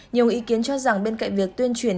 nhiều ý kiến cho rằng bên cạnh việc tuyên truyền